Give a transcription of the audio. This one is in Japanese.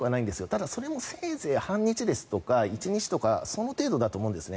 ただ、それもせいぜい半日ですとか１日とかその程度だと思うんです。